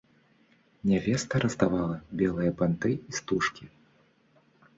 Нявеста раздавала белыя банты і стужкі.